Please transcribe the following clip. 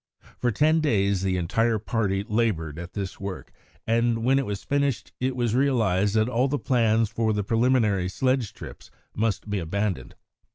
For ten days the entire party laboured at this work, and when it was finished it was realised that all the plans for the preliminary sledge trips must be abandoned.